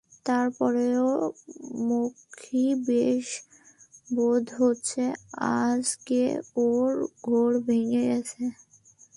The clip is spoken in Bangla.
তার পরে মক্ষী, বেশ বোধ হচ্ছে আজকে ওর ঘোর ভেঙে গেছে।